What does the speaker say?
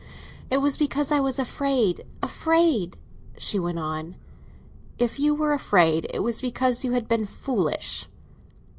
"It was because I was afraid—afraid—" she went on. "If you were afraid, it was because you had been foolish!"